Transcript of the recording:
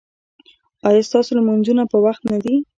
ایا ستاسو لمونځونه په وخت نه دي؟